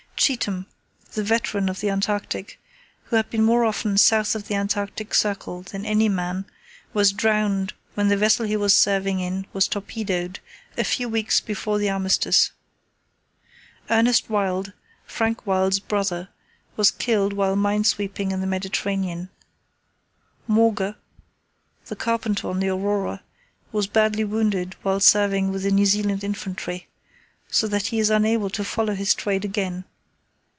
Cheetham, the veteran of the Antarctic, who had been more often south of the Antarctic circle than any man, was drowned when the vessel he was serving in was torpedoed, a few weeks before the Armistice. Ernest Wild, Frank Wild's brother, was killed while minesweeping in the Mediterranean. Mauger, the carpenter on the Aurora, was badly wounded while serving with the New Zealand Infantry, so that he is unable to follow his trade again.